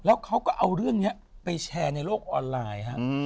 แล้วเขาก็เอาเรื่องนี้ไปแชร์ในโลกออนไลน์